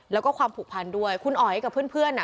แล้วก็ความผูกพันด้วยคุณอ๋อยกับเพื่อน